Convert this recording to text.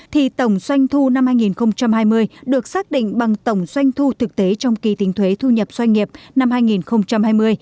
thì tổng doanh thu năm hai nghìn hai mươi được xác định bằng tổng doanh thu thực tế trong kỳ tính thuế thu nhập doanh nghiệp năm hai nghìn hai mươi